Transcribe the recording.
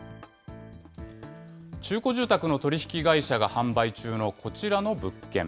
中古住宅の取り引き会社が販売中のこちらの物件。